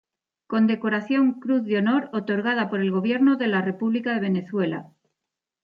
Condecoración "Cruz de Honor" otorgada por el gobierno de la República de Venezuela.